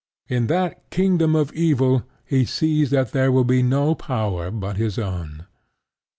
In that kingdom of evil he sees that there will be no power but his own.